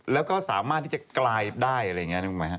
แล้วก็สามารถที่จะกลายได้อะไรอย่างนี้นึกไหมฮ